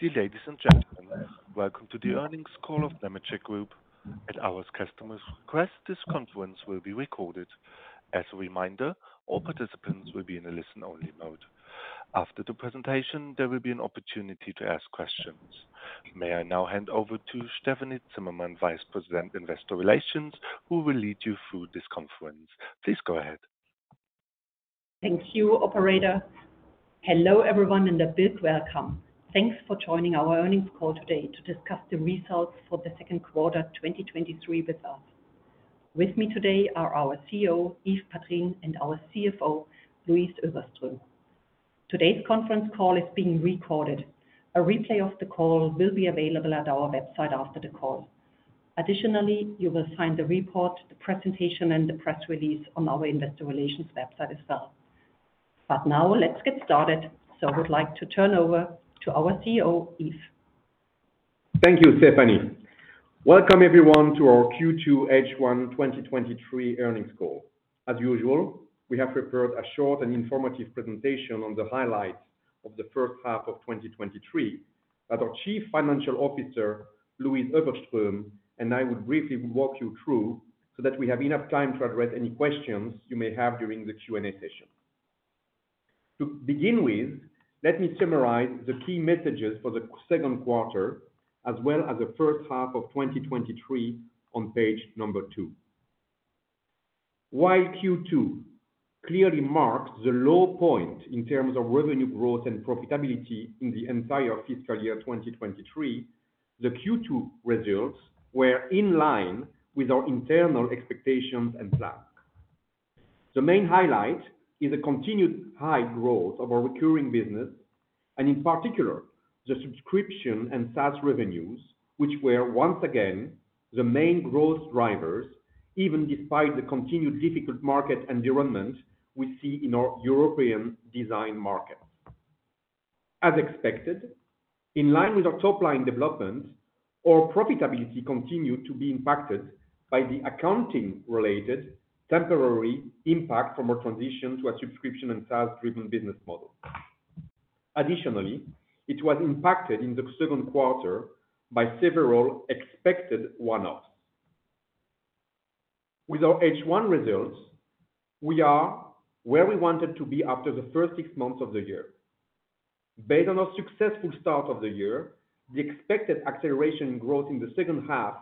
Dear ladies and gentlemen, welcome to the earnings call of Nemetschek Group. At our customer's request, this conference will be recorded. As a reminder, all participants will be in a listen-only mode. After the presentation, there will be an opportunity to ask questions. May I now hand over to Stefanie Zimmermann, Vice President, Investor Relations, who will lead you through this conference. Please go ahead. Thank you, operator. Hello, everyone, and a big welcome. Thanks for joining our earnings call today to discuss the results for the second quarter, 2023 with us. With me today are our CEO, Yves Padrines, and our CFO, Louise Öfverström. Today's conference call is being recorded. A replay of the call will be available at our website after the call. Additionally, you will find the report, the presentation, and the press release on our investor relations website as well. Now let's get started. I would like to turn over to our CEO, Yves. Thank you, Stefanie. Welcome everyone to our Q2 H1 2023 earnings call. As usual, we have prepared a short and informative presentation on the highlights of the first half of 2023, that our Chief Financial Officer, Louise Öfverström, and I will briefly walk you through so that we have enough time to address any questions you may have during the Q&A session. To begin with, let me summarize the key messages for the second quarter, as well as the first half of 2023 on page two. While Q2 clearly marks the low point in terms of revenue growth and profitability in the entire fiscal year 2023, the Q2 results were in line with our internal expectations and plans. The main highlight is a continued high growth of our recurring business, and in particular, the subscription and SaaS revenues, which were once again the main growth drivers, even despite the continued difficult market environment we see in our European design markets. As expected, in line with our top line development, our profitability continued to be impacted by the accounting-related temporary impact from our transition to a subscription and SaaS-driven business model. Additionally, it was impacted in the second quarter by several expected one-offs. With our H1 results, we are where we wanted to be after the first six months of the year. Based on our successful start of the year, the expected acceleration in growth in the second half,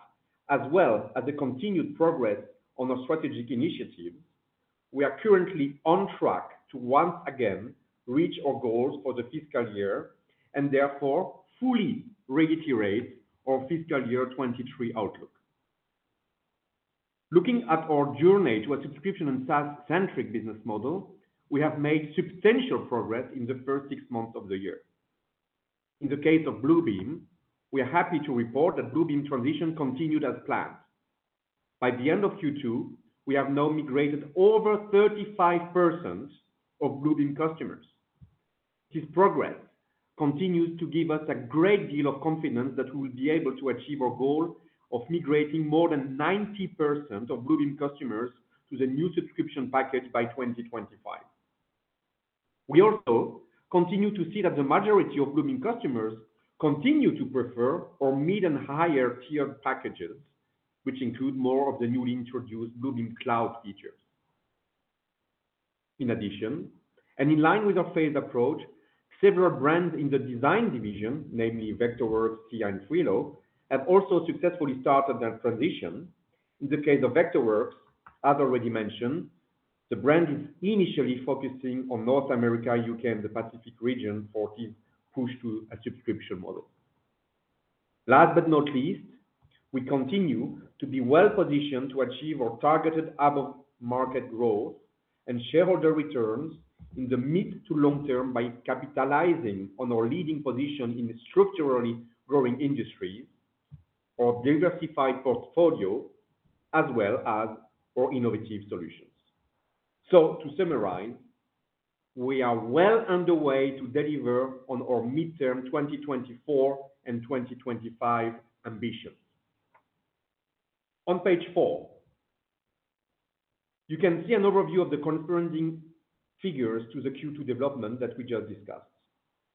as well as the continued progress on our strategic initiative, we are currently on track to once again reach our goals for the fiscal year and therefore fully reiterate our fiscal year 23 outlook. Looking at our journey to a subscription and SaaS-centric business model, we have made substantial progress in the first six months of the year. In the case of Bluebeam, we are happy to report that Bluebeam transition continued as planned. By the end of Q2, we have now migrated over 35% of Bluebeam customers. This progress continues to give us a great deal of confidence that we will be able to achieve our goal of migrating more than 90% of Bluebeam customers to the new subscription package by 2025. We also continue to see that the majority of Bluebeam customers continue to prefer our mid and higher tier packages, which include more of the newly introduced Bluebeam Cloud features. In addition, and in line with our phased approach, several brands in the design division, namely Vectorworks, SCIA, and Frilo, have also successfully started their transition. In the case of Vectorworks, as already mentioned, the brand is initially focusing on North America, U.K., and the Pacific region for this push to a subscription model. Last but not least, we continue to be well positioned to achieve our targeted above-market growth and shareholder returns in the mid to long term by capitalizing on our leading position in a structurally growing industry, our diversified portfolio, as well as our innovative solutions. To summarize, we are well underway to deliver on our midterm 2024 and 2025 ambitions. On page four, you can see an overview of the corresponding figures to the Q2 development that we just discussed.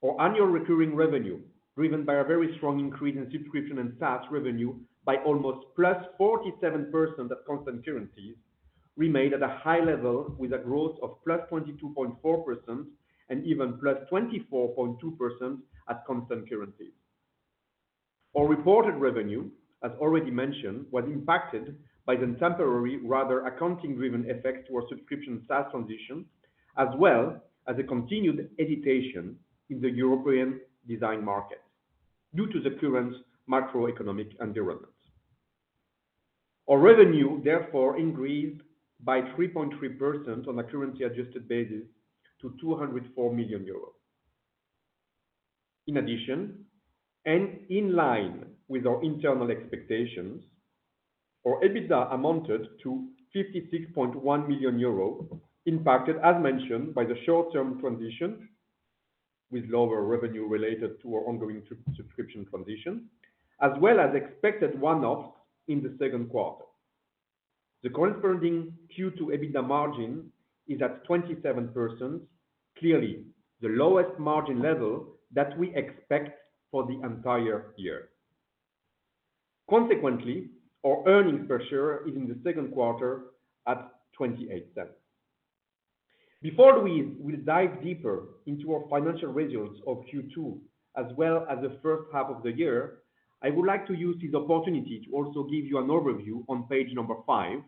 Our annual recurring revenue, driven by a very strong increase in subscription and SaaS revenue by almost +47% at constant currency, remained at a high level with a growth of +22.4% and even +24.2% at constant currency. Our reported revenue, as already mentioned, was impacted by the temporary, rather accounting-driven effect to our subscription SaaS transition, as well as a continued hesitation in the European design market due to the current macroeconomic environment. Our revenue, therefore, increased by 3.3% on a currency-adjusted basis to 204 million euros. In addition, in line with our internal expectations, our EBITDA amounted to 56.1 million euros, impacted, as mentioned, by the short-term transition with lower revenue related to our ongoing subscription transition, as well as expected one-offs in the 2Q. The corresponding Q2 EBITDA margin is at 27%, clearly the lowest margin level that we expect for the entire year. Consequently, our earnings per share is in the 2Q at 0.28. Before we will dive deeper into our financial results of Q2, as well as the first half of the year, I would like to use this opportunity to also give you an overview on page five,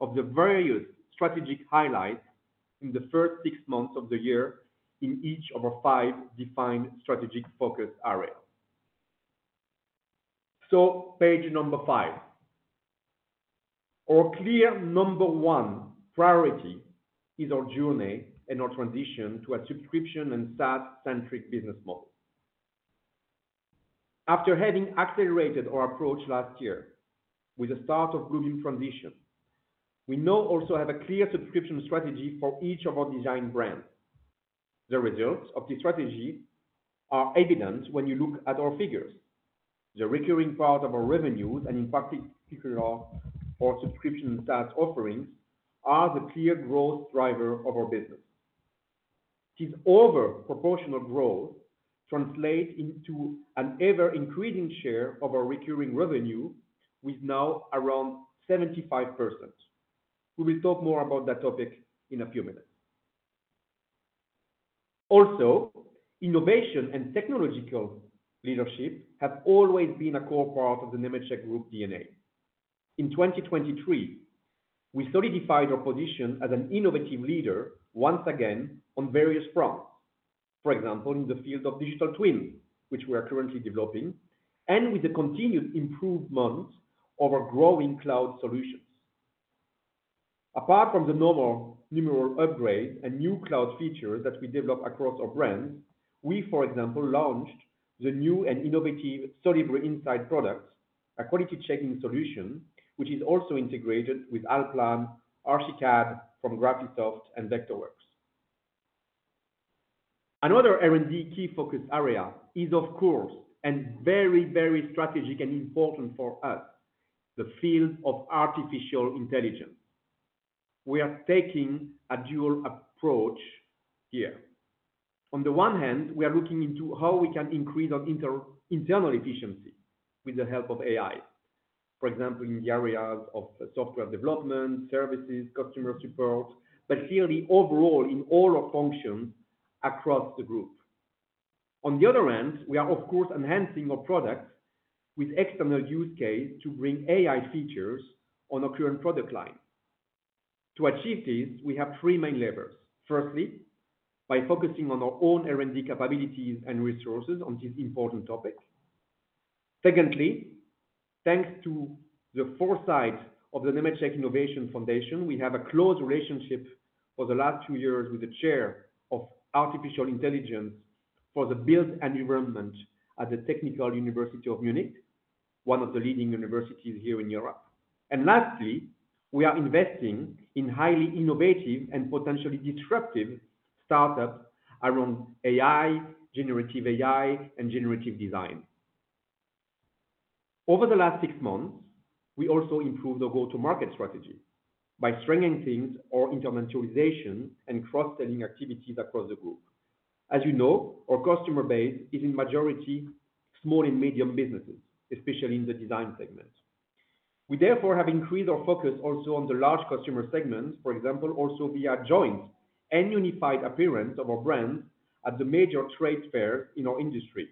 of the various strategic highlights in the first six months of the year in each of our five defined strategic focus areas. Page five. Our clear number one priority is our journey and our transition to a subscription and SaaS-centric business model. After having accelerated our approach last year with the start of growing transition, we now also have a clear subscription strategy for each of our design brands. The results of this strategy are evident when you look at our figures. The recurring part of our revenues, and in particular, our subscription SaaS offerings, are the clear growth driver of our business. This over proportional growth translates into an ever-increasing share of our recurring revenue, with now around 75%. We will talk more about that topic in a few minutes. Also, innovation and technological leadership have always been a core part of the Nemetschek Group DNA. In 2023, we solidified our position as an innovative leader once again on various fronts. For example, in the field of digital twin, which we are currently developing, and with the continued improvement of our growing cloud solutions. Apart from the normal numeral upgrade and new cloud features that we develop across our brands, we, for example, launched the new and innovative Solibri Inside product, a quality checking solution, which is also integrated with Allplan, Archicad from Graphisoft and Vectorworks. Another R&D key focus area is of course, and very, very strategic and important for us, the field of artificial intelligence. We are taking a dual approach here. On the one hand, we are looking into how we can increase our internal efficiency with the help of AI. For example, in the areas of software development, services, customer support, but clearly overall in all our functions across the group. On the other hand, we are of course, enhancing our products with external use case to bring AI features on our current product line. To achieve this, we have three main levers. Firstly, by focusing on our own R&D capabilities and resources on this important topic. Secondly, thanks to the foresight of the Nemetschek Innovation Foundation, we have a close relationship for the last two years with the Chair of Artificial Intelligence for the Build Environment at the Technical University of Munich, one of the leading universities here in Europe. Lastly, we are investing in highly innovative and potentially disruptive startups around AI, generative AI, and generative design. Over the last six months, we also improved our go-to-market strategy by strengthening things or instrumentalization and cross-selling activities across the group. As you know, our customer base is in majority, small and medium businesses, especially in the design segment. We therefore have increased our focus also on the large customer segments, for example, also via joint and unified appearance of our brands at the major trade fairs in our industry,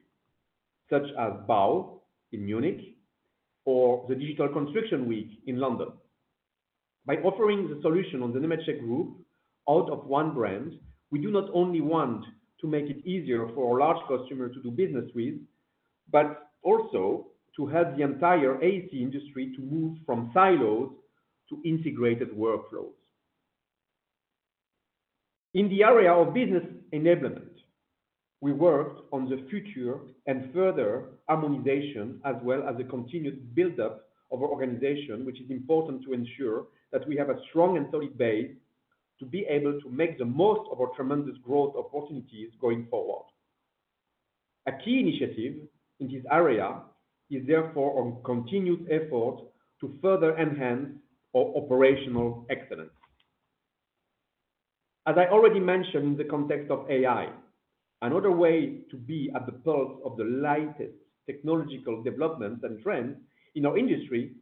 such as BAU in Munich or the Digital Construction Week in London. By offering the solution on the Nemetschek Group out of one brand, we do not only want to make it easier for our large customers to do business with, but also to help the entire AEC industry to move from silos to integrated workflows. In the area of business enablement, we worked on the future and further harmonization, as well as the continued buildup of our organization, which is important to ensure that we have a strong and solid base to be able to make the most of our tremendous growth opportunities going forward. A key initiative in this area is therefore on continued effort to further enhance our operational excellence. As I already mentioned in the context of AI, another way to be at the pulse of the latest technological developments and trends in our industry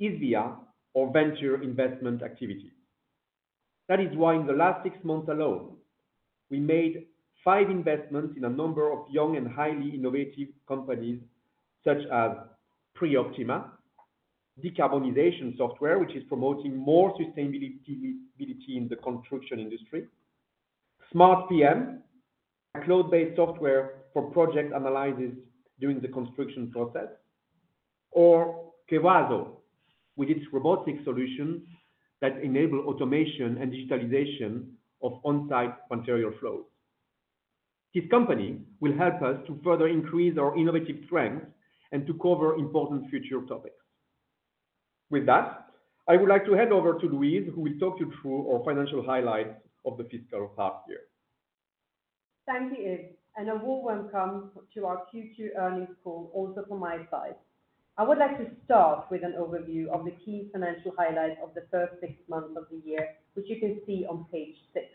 is via our venture investment activity. That is why in the last six months alone, we made five investments in a number of young and highly innovative companies, such as Preoptima, decarbonization software, which is promoting more sustainability, ability in the construction industry. SmartPM, a cloud-based software for project analysis during the construction process, or KEWAZO, with its robotic solutions that enable automation and digitalization of on-site material flows. This company will help us to further increase our innovative strength and to cover important future topics. With that, I would like to hand over to Louise, who will talk you through our financial highlights of the fiscal past year.... Thank you, Yves, and a warm welcome to our Q2 earnings call also from my side. I would like to start with an overview of the key financial highlights of the first six months of the year, which you can see on page six.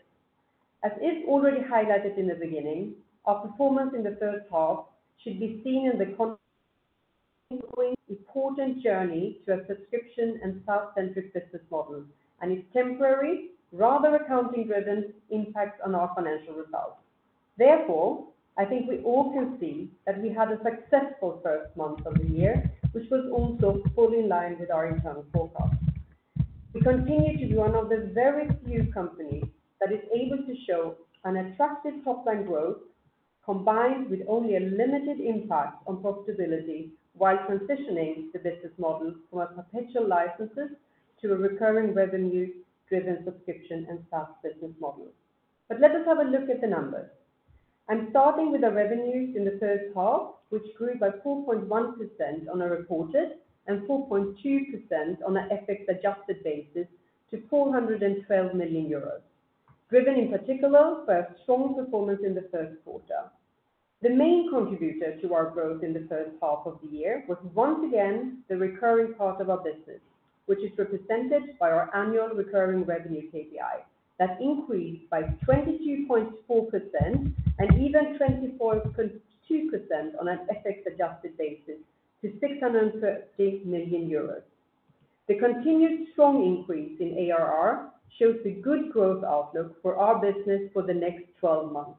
As is already highlighted in the beginning, our performance in the first half should be seen in the important journey to a subscription and SaaS-centric business model, and its temporary, rather accounting-driven impact on our financial results. Therefore, I think we all can see that we had a successful first month of the year, which was also fully in line with our internal forecast. We continue to be one of the very few companies that is able to show an attractive top line growth, combined with only a limited impact on profitability, while transitioning the business model from a perpetual license to a recurring revenue-driven subscription and SaaS business model. Let us have a look at the numbers. I'm starting with the revenues in the first half, which grew by 4.1% on a reported and 4.2% on an FX adjusted basis to 412 million euros, driven in particular by a strong performance in the first quarter. The main contributor to our growth in the first half of the year was once again, the recurring part of our business, which is represented by our annual recurring revenue KPI that increased by 22.4% and even 24.2% on an FX adjusted basis to 638 million euros. The continued strong increase in ARR shows a good growth outlook for our business for the next 12 months.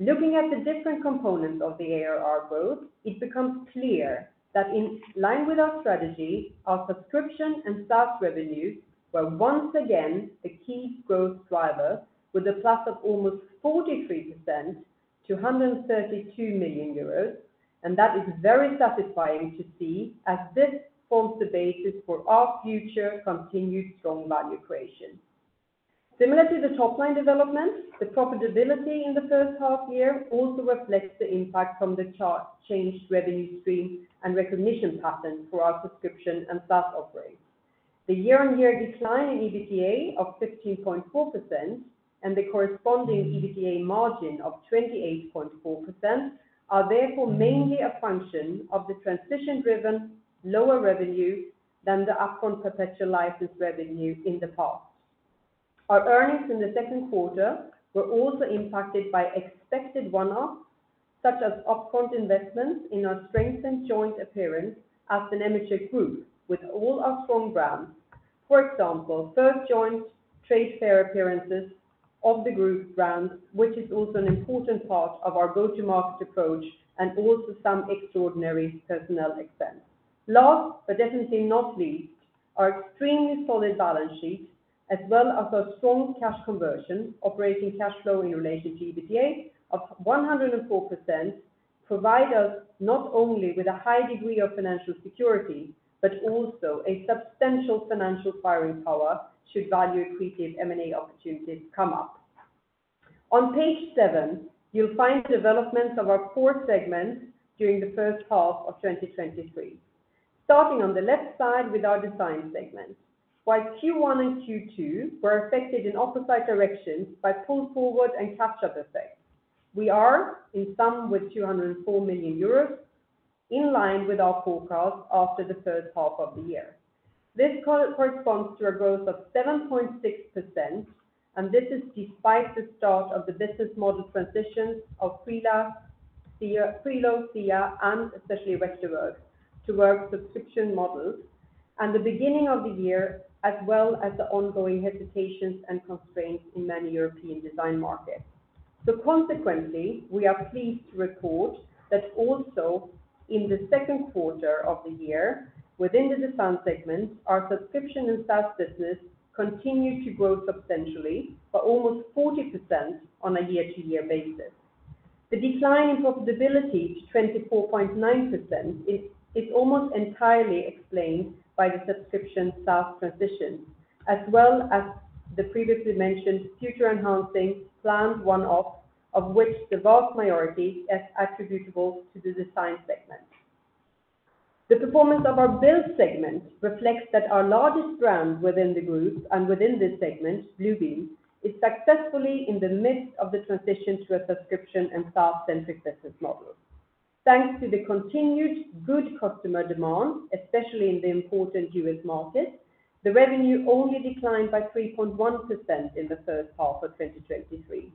Looking at the different components of the ARR growth, it becomes clear that in line with our strategy, our subscription and SaaS revenues were once again a key growth driver with a plus of almost 43% to 132 million euros, and that is very satisfying to see as this forms the basis for our future continued strong value creation. Similarly, the top line development, the profitability in the first half year also reflects the impact from the changed revenue stream and recognition pattern for our subscription and SaaS offerings. The year-on-year decline in EBITDA of 15.4% and the corresponding EBITDA margin of 28.4%, are therefore mainly a function of the transition-driven lower revenue than the upfront perpetual license revenue in the past. Our earnings in the second quarter were also impacted by expected one-offs, such as upfront investments in our strengthened joint appearance as a Nemetschek Group with all our strong brands. For example, first joint trade fair appearances of the group brand, which is also an important part of our go-to-market approach and also some extraordinary personnel expense. Last, but definitely not least, our extremely solid balance sheet as well as our strong cash conversion, operating cash flow in relation to EBITDA of 104%, provide us not only with a high degree of financial security, but also a substantial financial firing power, should value accretive M&A opportunities come up. On page seven, you'll find developments of our four segments during the first half of 2023. Starting on the left side with our design segment. While Q1 and Q2 were affected in opposite directions by pull forward and catch-up effects, we are in sum with 204 million euros, in line with our forecast after the first half of the year. This corresponds to a growth of 7.6%. This is despite the start of the business model transition of Frilo, SCIA, and especially Vectorworks, to our subscription model and the beginning of the year, as well as the ongoing hesitations and constraints in many European design markets. Consequently, we are pleased to report that also in the second quarter of the year, within the design segment, our subscription and SaaS business continued to grow substantially by almost 40% on a year-to-year basis. The decline in profitability to 24.9% is almost entirely explained by the subscription SaaS transition, as well as the previously mentioned future enhancing planned one-off, of which the vast majority is attributable to the design segment. The performance of our build segment reflects that our largest brand within the group and within this segment, Bluebeam, is successfully in the midst of the transition to a subscription and SaaS-centric business model. Thanks to the continued good customer demand, especially in the important U.S. market, the revenue only declined by 3.1% in the first half of 2023.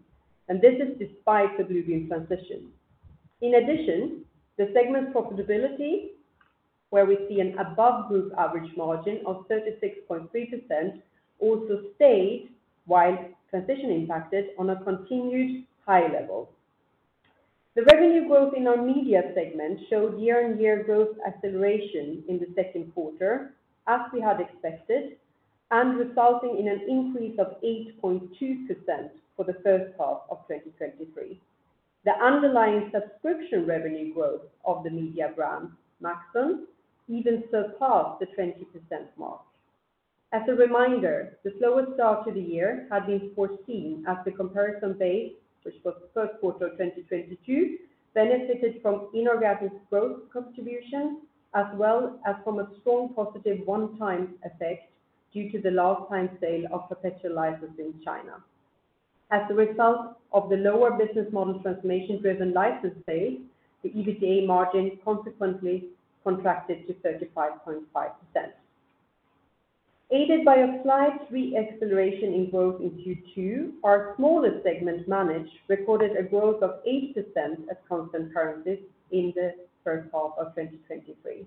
This is despite the Bluebeam transition. In addition, the segment's profitability, where we see an above group average margin of 36.3%, also stayed while transition impacted on a continued high level. The revenue growth in our media segment showed year-on-year growth acceleration in the second quarter, as we had expected. Resulting in an increase of 8.2% for the first half of 2023. The underlying subscription revenue growth of the media brand, Maxon, even surpassed the 20% mark. As a reminder, the slower start to the year had been foreseen as the comparison base, which was the first quarter of 2022, benefited from inorganic growth contribution as well as from a strong positive one-time effect due to the last-time sale of perpetual license in China. As a result of the lower business model transformation-driven license sales, the EBITDA margin consequently contracted to 35.5%. Aided by a slight re-acceleration in growth in Q2, our smallest segment, Manage, recorded a growth of 8% at constant currency in the first half of 2023.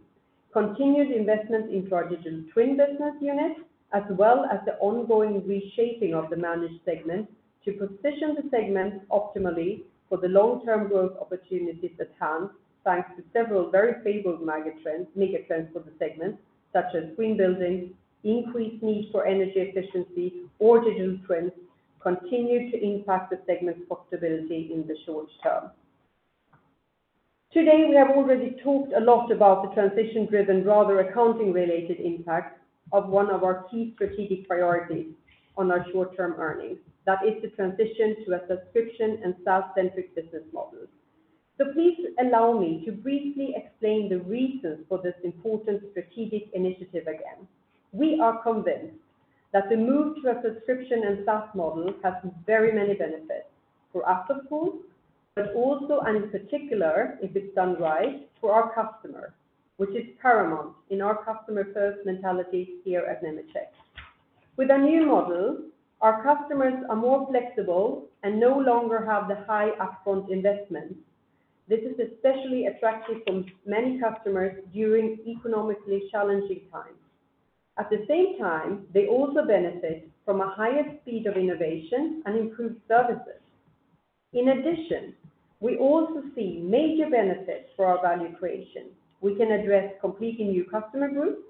Continued investment into our digital twin business unit, as well as the ongoing reshaping of the Manage segment to position the segment optimally for the long-term growth opportunities at hand, thanks to several very favorable market trends, mega trends for the segment, such as green building, increased need for energy efficiency, or digital twins, continue to impact the segment's profitability in the short term. Today, we have already talked a lot about the transition-driven, rather accounting-related impact of one of our key strategic priorities on our short-term earnings. That is the transition to a subscription and SaaS-centric business model. Please allow me to briefly explain the reasons for this important strategic initiative again. We are convinced that the move to a subscription and SaaS model has very many benefits for us, of course, also, and in particular, if it's done right, to our customer, which is paramount in our customer-first mentality here at Nemetschek. With our new model, our customers are more flexible and no longer have the high upfront investment. This is especially attractive from many customers during economically challenging times. At the same time, they also benefit from a higher speed of innovation and improved services. In addition, we also see major benefits for our value creation. We can address completely new customer groups,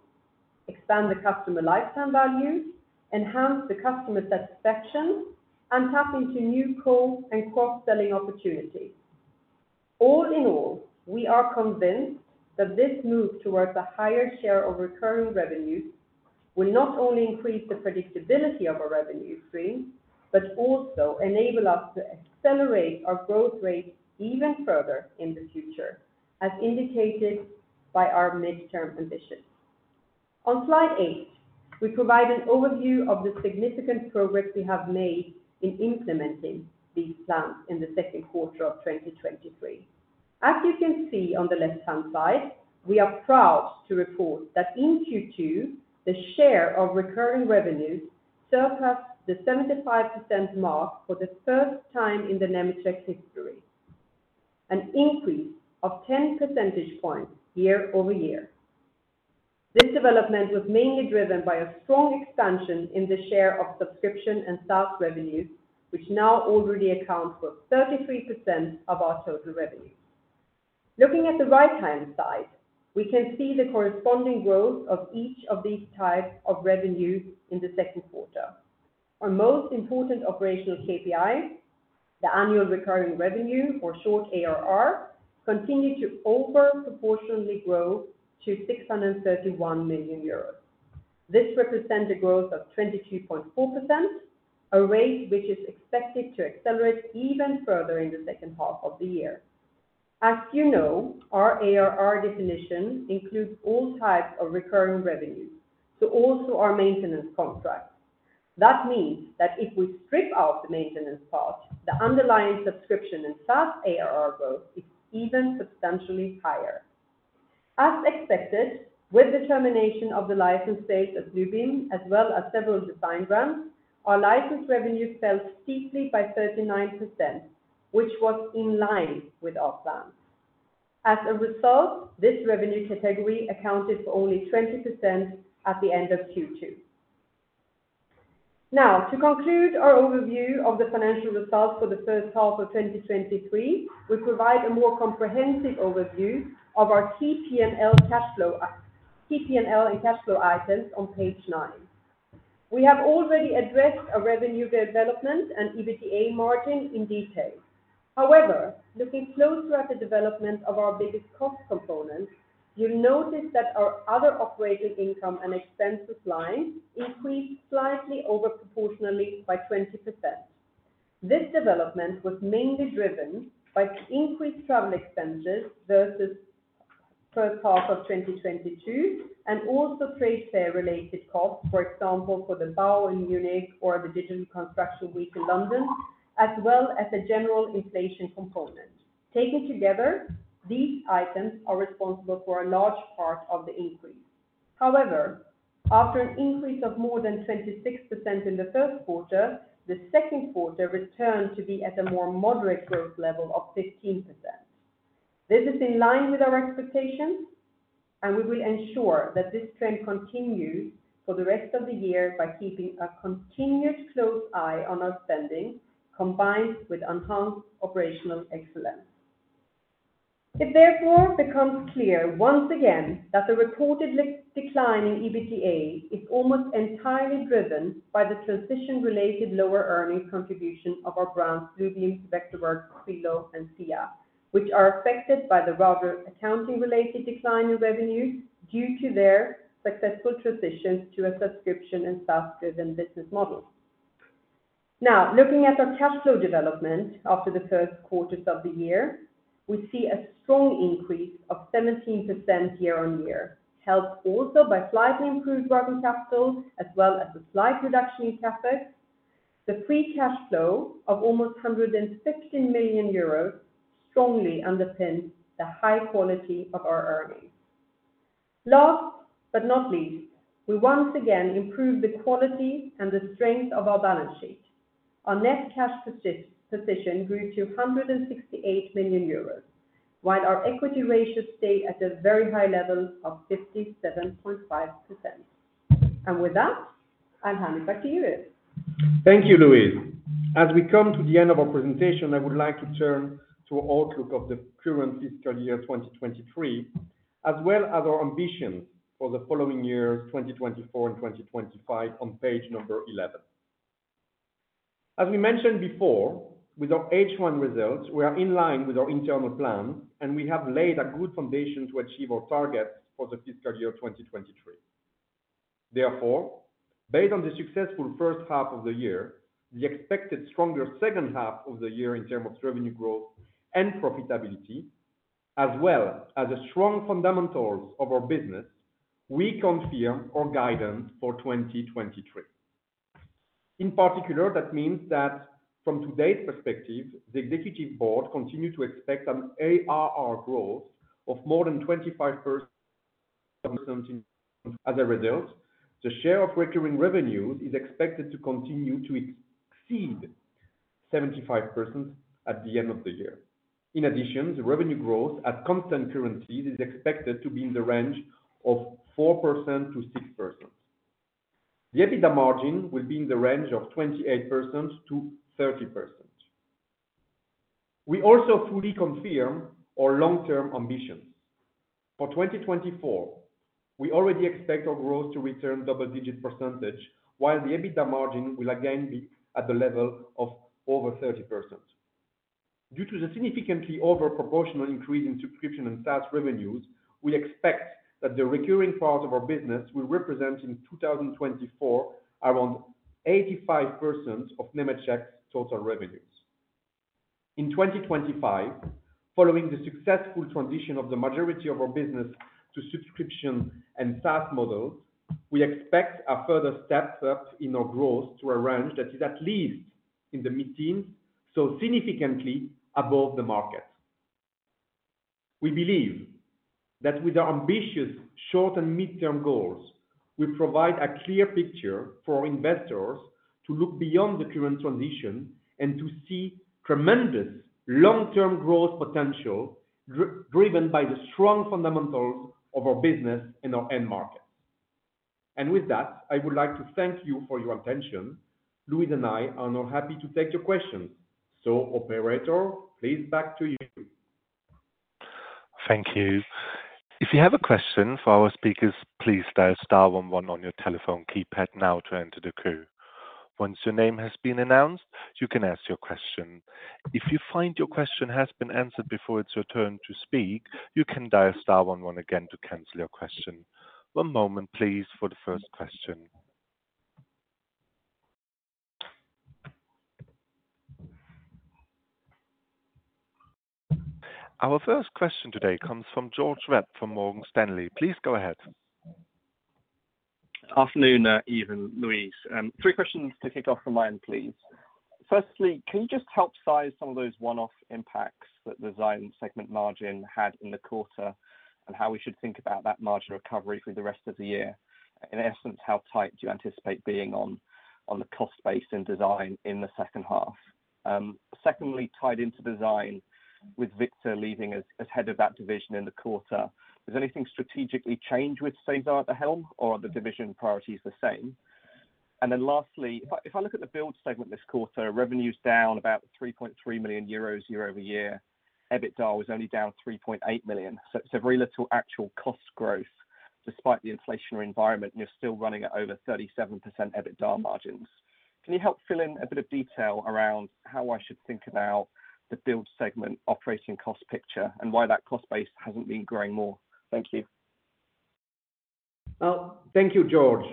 expand the customer lifetime values, enhance the customer satisfaction, tap into new cross and cross-selling opportunities. All in all, we are convinced that this move towards a higher share of recurring revenues will not only increase the predictability of our revenue stream, but also enable us to accelerate our growth rate even further in the future, as indicated by our midterm ambitions. On slide eight, we provide an overview of the significant progress we have made in implementing these plans in the second quarter of 2023. As you can see on the left-hand side, we are proud to report that in Q2, the share of recurring revenues surpassed the 75% mark for the first time in the Nemetschek history, an increase of 10 percentage points year-over-year. This development was mainly driven by a strong expansion in the share of subscription and SaaS revenues, which now already account for 33% of our total revenue. Looking at the right-hand side, we can see the corresponding growth of each of these types of revenues in the second quarter. Our most important operational KPI, the annual recurring revenue, or short ARR, continued to over proportionally grow to 631 million euros. This represents a growth of 22.4%, a rate which is expected to accelerate even further in the second half of the year. As you know, our ARR definition includes all types of recurring revenues, so also our maintenance contracts. That means that if we strip out the maintenance part, the underlying subscription and SaaS ARR growth is even substantially higher. As expected, with the termination of the license date of Bluebeam, as well as several design brands, our license revenue fell steeply by 39%, which was in line with our plans. As a result, this revenue category accounted for only 20% at the end of Q2. To conclude our overview of the financial results for the first half of 2023, we provide a more comprehensive overview of our key P&L and cash flow items on page nine. We have already addressed our revenue development and EBITDA margin in detail. Looking closer at the development of our biggest cost components, you'll notice that our other operating income and expenses line increased slightly over proportionally by 20%. This development was mainly driven by increased travel expenses versus first half of 2022, and also trade fair related costs, for example, for the BAU in Munich or the Digital Construction Week in London, as well as a general inflation component. Taken together, these items are responsible for a large part of the increase. However, after an increase of more than 26% in the first quarter, the second quarter returned to be at a more moderate growth level of 15%. This is in line with our expectations, and we will ensure that this trend continues for the rest of the year by keeping a continuous close eye on our spending, combined with enhanced operational excellence. It therefore becomes clear once again that the reported decline in EBITDA is almost entirely driven by the transition-related lower earnings contribution of our brands, Bluebeam, Vectorworks, Solibri, and SCIA, which are affected by the rather accounting-related decline in revenues due to their successful transition to a subscription and SaaS-driven business model. Looking at our cash flow development after the first quarters of the year, we see a strong increase of 17% year-on-year, helped also by slightly improved working capital as well as a slight reduction in CapEx. The free cash flow of almost 116 million euros strongly underpins the high quality of our earnings. Last but not least, we once again improve the quality and the strength of our balance sheet. Our net cash position grew to 168 million euros, while our equity ratios stay at a very high level of 57.5%. With that, I'll hand it back to you, Yves. Thank you, Louise. As we come to the end of our presentation, I would like to turn to outlook of the current fiscal year, 2023, as well as our ambition for the following years, 2024 and 2025, on page number 11. As we mentioned before, with our H1 results, we are in line with our internal plan. We have laid a good foundation to achieve our targets for the fiscal year 2023. Therefore, based on the successful first half of the year, the expected stronger second half of the year in terms of revenue growth and profitability, as well as the strong fundamentals of our business, we confirm our guidance for 2023. In particular, that means that from today's perspective, the executive board continues to expect an ARR growth of more than 25%. As a result, the share of recurring revenues is expected to continue to exceed 75% at the end of the year. In addition, the revenue growth at constant currency is expected to be in the range of 4%-6%. The EBITDA margin will be in the range of 28%-30%. We also fully confirm our long-term ambitions. For 2024, we already expect our growth to return double-digit percentage, while the EBITDA margin will again be at the level of over 30%. Due to the significantly over proportional increase in subscription and SaaS revenues, we expect that the recurring part of our business will represent, in 2024, around 85% of Nemetschek's total revenues. In 2025, following the successful transition of the majority of our business to subscription and SaaS models, we expect a further step up in our growth to a range that is at least in the mid-teen, so significantly above the market. We believe that with our ambitious short and midterm goals, we provide a clear picture for investors to look beyond the current transition and to see tremendous long-term growth potential, driven by the strong fundamentals of our business in our end markets. With that, I would like to thank you for your attention. Louise and I are now happy to take your questions. Operator, please, back to you. Thank you. If you have a question for our speakers, please dial star one one on your telephone keypad now to enter the queue. Once your name has been announced, you can ask your question. If you find your question has been answered before it's your turn to speak, you can dial star one one again to cancel your question. One moment, please, for the first question. Our first question today comes from George Webb, from Morgan Stanley. Please go ahead. Afternoon, Yves and Louise. Three questions to kick off from mine, please. Firstly, can you just help size some of those one-off impacts that the design segment margin had in the quarter, and how we should think about that margin recovery through the rest of the year? In essence, how tight do you anticipate being on, on the cost base and design in the second half? Secondly, tied into design, with Viktor leaving as head of that division in the quarter, does anything strategically change with César at the helm, or are the division priorities the same? Lastly, if I, if I look at the build segment this quarter, revenue's down about 3.3 million euros year-over-year. EBITDA was only down 3.8 million, so it's a very little actual cost growth. Despite the inflationary environment, you're still running at over 37% EBITDA margins. Can you help fill in a bit of detail around how I should think about the build segment operating cost picture and why that cost base hasn't been growing more? Thank you. Thank you, George.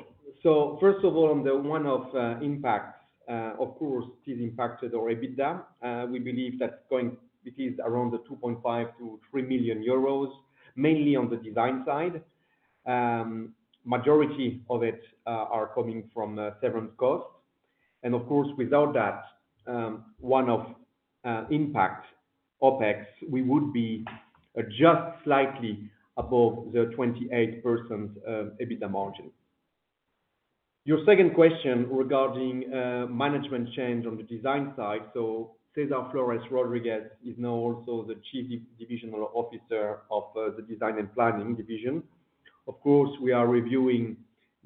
First of all, on the one-off impacts, of course, it impacted our EBITDA. We believe that's going-- it is around 2.5 million-3 million euros, mainly on the design side. Majority of it are coming from severance costs. Of course, without that one-off impact OpEx, we would be just slightly above the 28% EBITDA margin. Your second question regarding management change on the design side, César Flores Rodríguez is now also the Chief Divisional Officer of the design and planning division. Of course, we are reviewing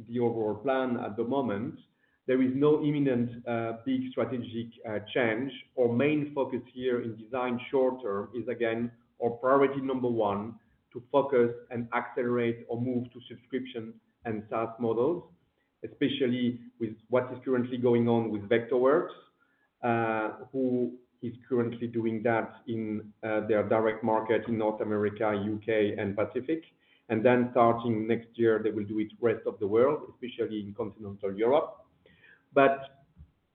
the overall plan at the moment. There is no imminent big strategic change. Our main focus here in design shorter is, again, our priority number one: to focus and accelerate or move to subscription and SaaS models, especially with what is currently going on with Vectorworks. who is currently doing that in their direct market in North America, U.K., and Pacific, and then starting next year, they will do it rest of the world, especially in continental Europe.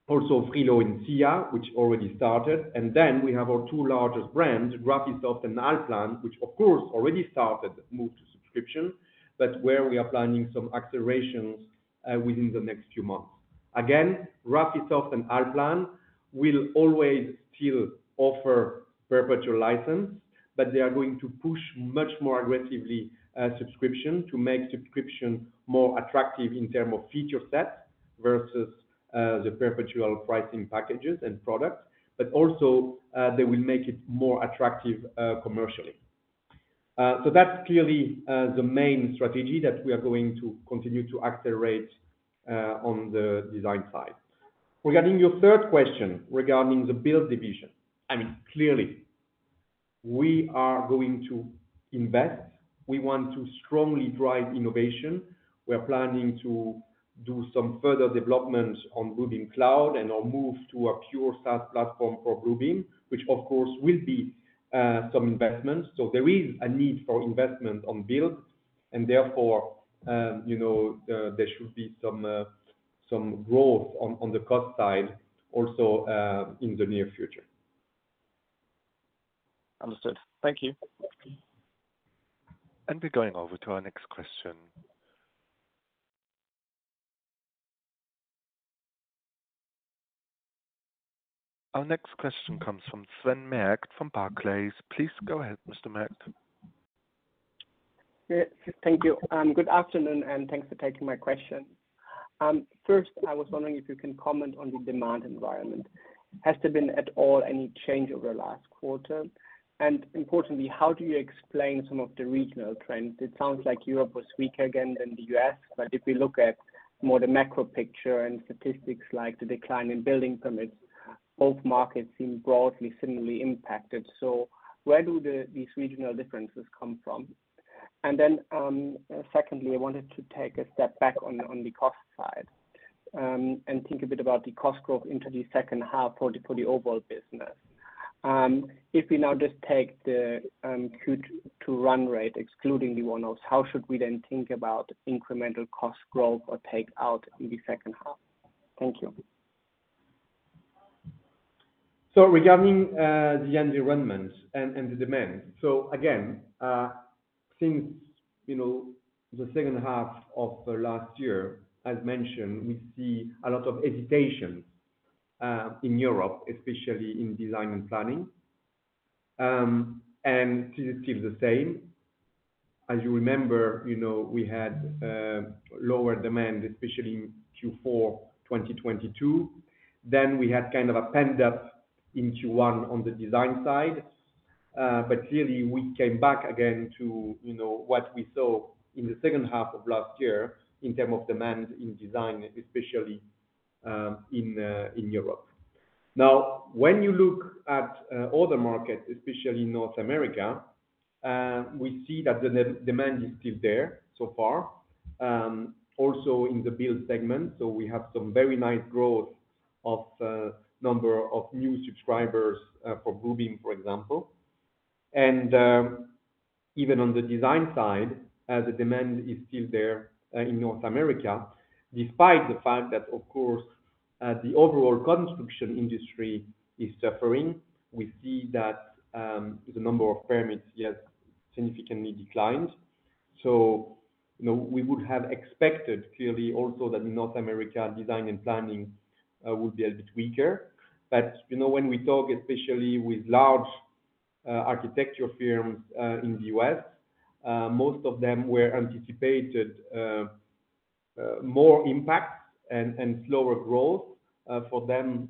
Also Frilo and SCIA, which already started. Then we have our two largest brands, Graphisoft and Allplan, which of course already started move to subscription, but where we are planning some accelerations within the next few months. Again, Graphisoft and Allplan will always still offer perpetual license, but they are going to push much more aggressively subscription, to make subscription more attractive in term of feature set versus the perpetual pricing packages and products. Also, they will make it more attractive commercially. That's clearly the main strategy that we are going to continue to accelerate on the design side. Regarding your third question, regarding the build division, I mean, clearly we are going to invest. We want to strongly drive innovation. We are planning to do some further development on building cloud and on move to a pure SaaS platform for building, which of course will be some investments. There is a need for investment on build, and therefore, you know, there should be some growth on the cost side also in the near future. Understood. Thank you. We're going over to our next question. Our next question comes from Sven Merkt from Barclays. Please go ahead, Mr. Merkt. Yeah. Thank you. Good afternoon, thanks for taking my question. First, I was wondering if you can comment on the demand environment. Has there been at all any change over the last quarter? Importantly, how do you explain some of the regional trends? It sounds like Europe was weaker again than the U.S. If we look at more the macro picture and statistics, like the decline in building permits, both markets seem broadly, similarly impacted. Where do these regional differences come from? Then, secondly, I wanted to take a step back on, on the cost side. Think a bit about the cost growth into the second half for the, for the overall business. If we now just take the Q2 run rate, excluding the one-offs, how should we then think about incremental cost growth or take out in the second half? Thank you. Regarding the environment and the demand. Again, since, you know, the second half of the last year, as mentioned, we see a lot of hesitation in Europe, especially in design and planning. This is still the same. As you remember, you know, we had lower demand, especially in Q4 2022. We had kind of a pent-up in Q1 on the design side. Clearly we came back again to, you know, what we saw in the second half of last year in terms of demand in design, especially in Europe. When you look at other markets, especially North America, we see that the demand is still there so far, also in the build segment. We have some very nice growth of number of new subscribers for building, for example. Even on the design side, the demand is still there in North America. Despite the fact that, of course, the overall construction industry is suffering, we see that the number of permits has significantly declined. You know, we would have expected clearly also that North America design and planning would be a bit weaker. You know, when we talk, especially with large architecture firms in the U.S., most of them were anticipated more impact and slower growth for them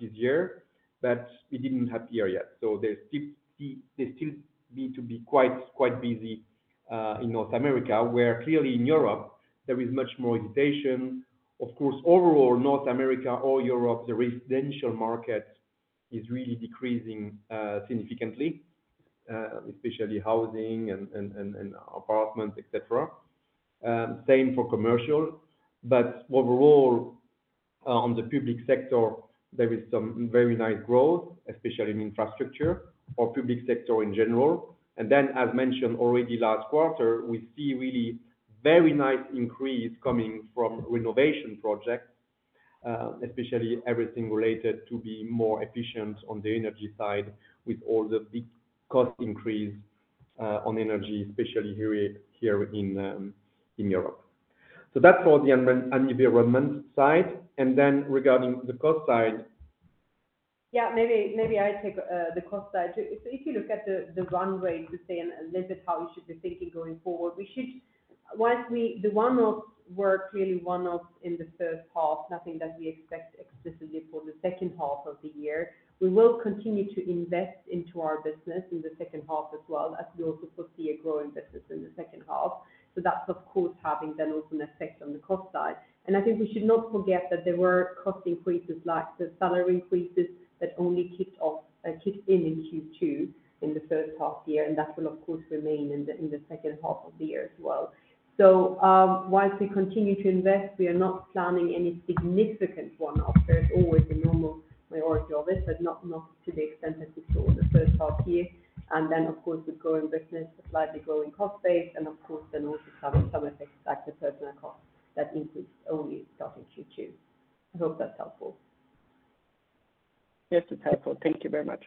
this year, but we didn't appear yet. They still need to be quite, quite busy in North America, where clearly in Europe, there is much more hesitation. Of course, overall, North America or Europe, the residential market is really decreasing significantly, especially housing and, and, and, and apartments, et cetera. Same for commercial, but overall, on the public sector, there is some very nice growth, especially in infrastructure or public sector in general. Then, as mentioned already last quarter, we see really very nice increase coming from renovation projects, especially everything related to be more efficient on the energy side with all the big cost increase on energy, especially here, here in Europe. That's for the envi- environment side. Then regarding the cost side- Yeah, maybe, maybe I take the cost side, too. If you look at the run rate to say a little bit how we should be thinking going forward, the one-offs were clearly one-offs in the first half, nothing that we expect explicitly for the second half of the year. We will continue to invest into our business in the second half as well, as we also foresee a growing business in the second half. That's of course, having then also an effect on the cost side. I think we should not forget that there were cost increases, like the salary increases that only kicked off, kicked in, in Q2, in the first half year, and that will, of course, remain in the second half of the year as well. Whilst we continue to invest, we are not planning any significant one-off. There's always a normal priority of it, but not, not to the extent that we saw in the first half year. Of course, with growing business, a slightly growing cost base, and of course, then also having some effects, like the personal cost, that increased only starting Q2. I hope that's helpful. Yes, it's helpful. Thank you very much.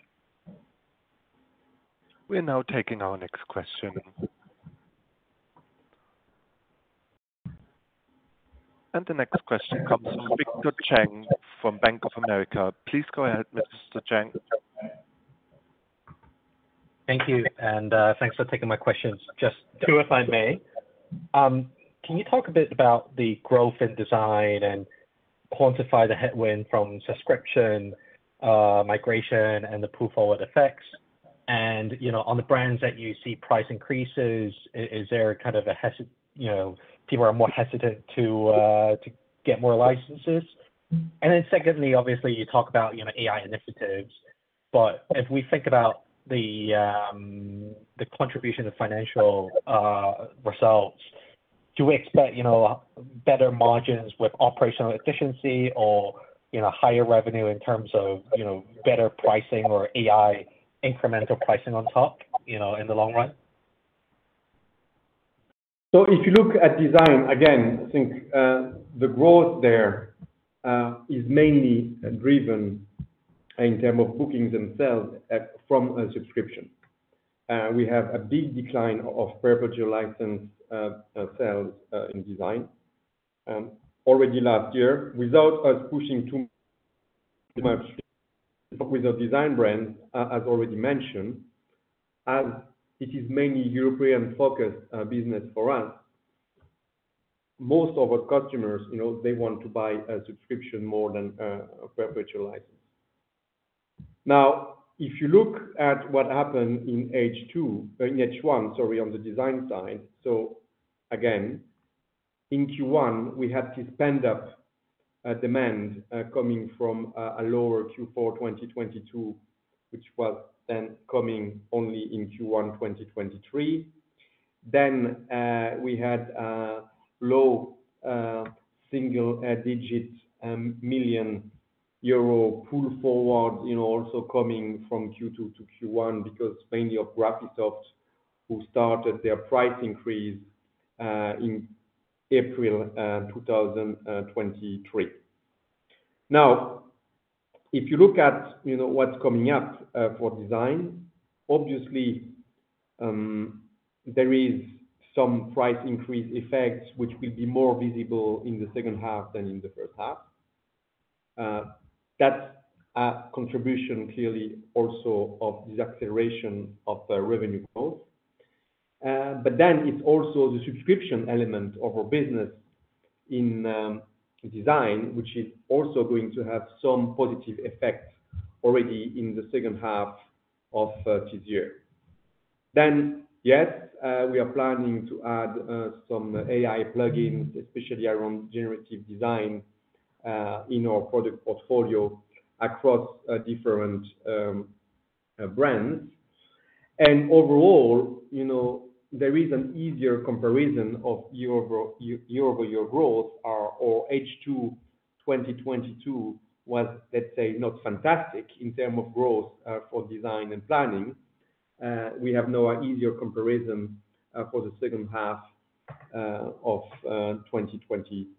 We're now taking our next question. The next question comes from Victor Cheng from Bank of America. Please go ahead, Mr. Cheng. Thank you, thanks for taking my questions. Just two, if I may. Can you talk a bit about the growth in design and quantify the headwind from subscription migration, and the pull-forward effects? You know, on the brands that you see price increases, is there a kind of a, you know, people are more hesitant to get more licenses? Then secondly, obviously, you talk about, you know, AI initiatives, but if we think about the contribution of financial results, do we expect, you know, better margins with operational efficiency or, you know, higher revenue in terms of, you know, better pricing or AI incremental pricing on top, you know, in the long run? If you look at design, again, I think, the growth there, is mainly driven in terms of bookings themselves, from a subscription. We have a big decline of perpetual license sales in design. Already last year, without us pushing too much with the design brand, as already mentioned, as it is mainly European-focused business for us, most of our customers, you know, they want to buy a subscription more than a perpetual license. If you look at what happened in H2, in H1, sorry, on the design side. Again, in Q1, we had to spend up demand coming from a lower Q4 2022, which was then coming only in Q1 2023. We had low single-digit million EUR pull forward, you know, also coming from Q2 to Q1, because mainly of Graphisoft, who started their price increase in April 2023. If you look at, you know, what's coming up for design, obviously, there is some price increase effects, which will be more visible in the second half than in the first half. That's a contribution, clearly, also of the acceleration of the revenue growth. Then it's also the subscription element of our business in design, which is also going to have some positive effect already in the second half of this year. Yes, we are planning to add some AI plugins, especially around generative design in our product portfolio across different brands. Overall, you know, there is an easier comparison of year-over-year growth, or H2 2022 was, let's say, not fantastic in term of growth for design and planning. We have now an easier comparison for the second half of 2023.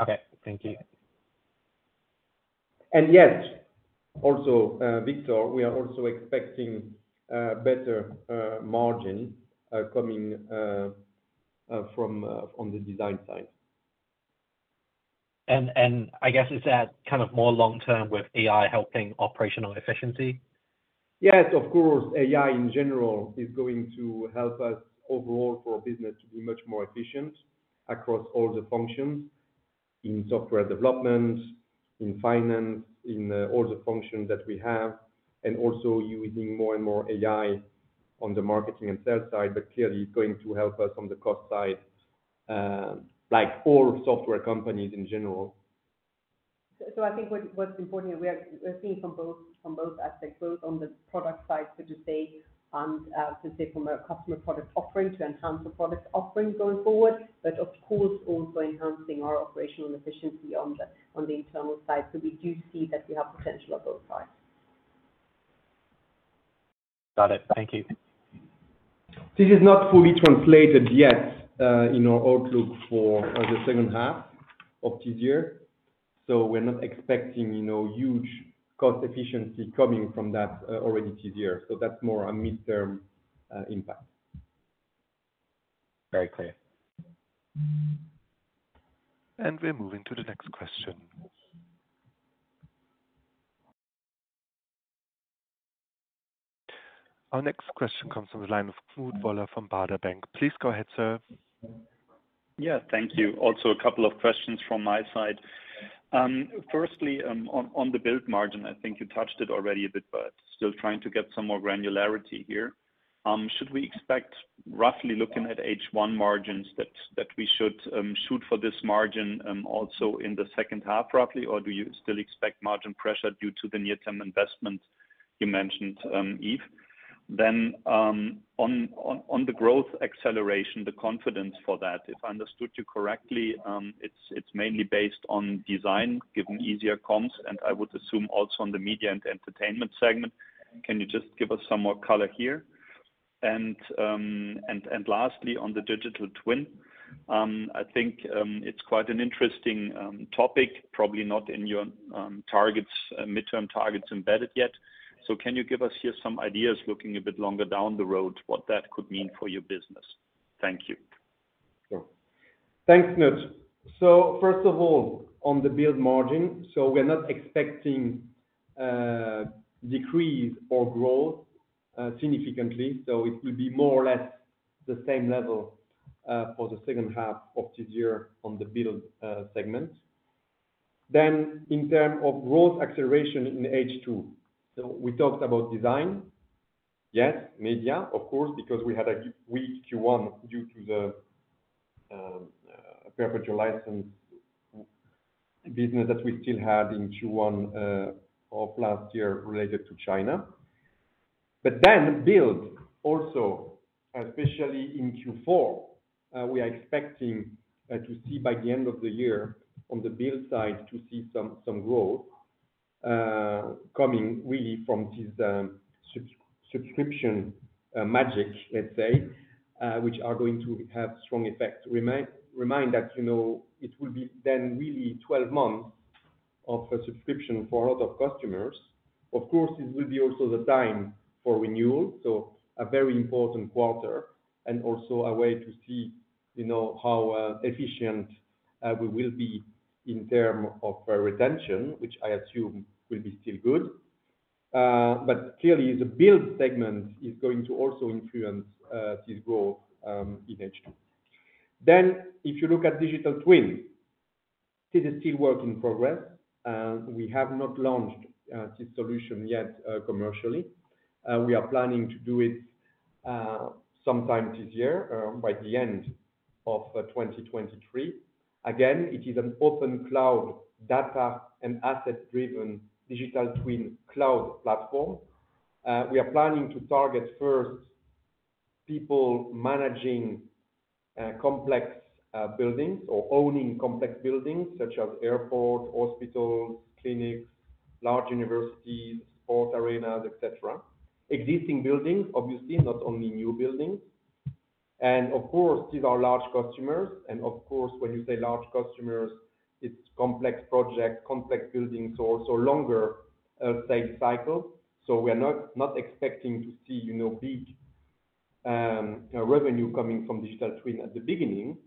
Okay, thank you. Yes, also, Victor, we are also expecting better margin coming from the design side. I guess is that kind of more long term with AI helping operational efficiency? Yes, of course. AI, in general, is going to help us overall for our business to be much more efficient across all the functions, in software development, in finance, in all the functions that we have, and also using more and more AI on the marketing and sales side, but clearly going to help us on the cost side, like all software companies in general. I think what, what's important, we're seeing from both, from both aspects, both on the product side, so to say, and, to say from a customer product offering, to enhance the product offering going forward, but of course, also enhancing our operational efficiency on the, on the internal side. We do see that we have potential on both sides. Got it. Thank you. This is not fully translated yet, in our outlook for, the second half of this year, so we're not expecting, you know, huge cost efficiency coming from that, already this year. That's more a midterm impact. Very clear. We're moving to the next question. Our next question comes from the line of Knut Woller from Baader Bank. Please go ahead, sir. Yeah, thank you. Also a couple of questions from my side. Firstly, on the build margin, I think you touched it already a bit, but still trying to get some more granularity here. Should we expect roughly looking at H1 margins that we should shoot for this margin also in the second half, roughly? Or do you still expect margin pressure due to the near-term investments you mentioned, Yves? On the growth acceleration, the confidence for that, if I understood you correctly, it's mainly based on design, given easier comps, and I would assume also on the media and entertainment segment. Can you just give us some more color here? Lastly, on the digital twin, I think it's quite an interesting topic, probably not in your targets, midterm targets embedded yet. So can you give us here some ideas, looking a bit longer down the road, what that could mean for your business? Thank you. Sure. Thanks, Knut. First of all, on the build margin, we're not expecting decrease or growth significantly. It will be more or less the same level for the second half of this year on the build segment. In term of growth acceleration in H2. We talked about design. Yes, media, of course, because we had a weak Q1 due to the perpetual license business that we still had in Q1 of last year related to China. Build also, especially in Q4, we are expecting to see by the end of the year on the build side, to see some, some growth coming really from this sub-subscription magic, let's say, which are going to have strong effect. Remind, remind that, you know, it will be then really 12 months of a subscription for a lot of customers. Of course, it will be also the time for renewal, so a very important quarter and also a way to see, you know, how efficient we will be in term of retention, which I assume will be still good. But clearly, the build segment is going to also influence this growth in H2. If you look at digital twin, this is still work in progress. We have not launched this solution yet commercially. We are planning to do it sometime this year, by the end of 2023. Again, it is an open cloud data and asset-driven digital twin cloud platform. We are planning to target first people managing complex buildings or owning complex buildings such as airports, hospitals, clinics, large universities, sports arenas, et cetera. Existing buildings, obviously, not only new buildings. These are large customers. When you say large customers, it's complex projects, complex buildings, so, so longer sales cycle. We are not, not expecting to see, you know, big revenue coming from digital twin at the beginning.